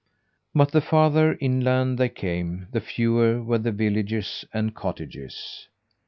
But the farther inland they came, the fewer were the villages and cottages.